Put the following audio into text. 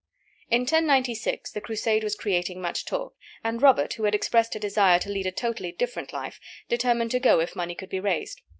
] In 1096 the Crusade was creating much talk, and Robert, who had expressed a desire to lead a totally different life, determined to go if money could be raised.